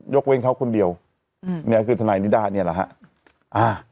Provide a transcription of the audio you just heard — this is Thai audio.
ยกเว้นเขาคนเดียวอืมเนี่ยก็คือทนายนิดาเนี่ยแหละฮะ